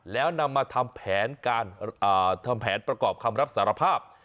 แล้วนำมาทำแผนประกอบคำรับสารภาพ